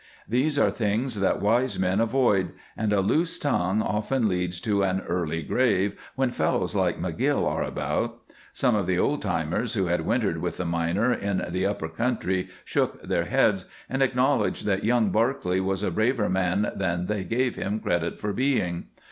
These are things that wise men avoid, and a loose tongue often leads to an early grave when fellows like McGill are about. Some of the old timers who had wintered with the miner in the "upper country" shook their heads and acknowledged that young Barclay was a braver man than they gave him credit for being.